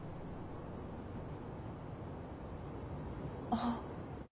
あっ。